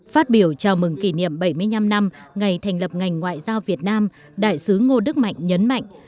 phát biểu chào mừng kỷ niệm bảy mươi năm năm ngày thành lập ngành ngoại giao việt nam đại sứ ngô đức mạnh nhấn mạnh